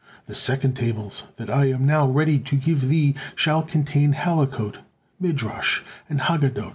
The second tables that I am now ready to give thee, shall contain Halakot, Midrash, and Haggadot."